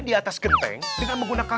di atas genteng dengan menggunakan